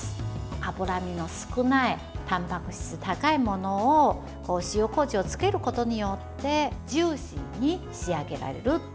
脂身の少ないたんぱく質の高いものを塩こうじをつけることによってジューシーに仕上げられる。